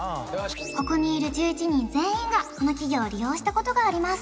ここにいる１１人全員がこの企業を利用したことがあります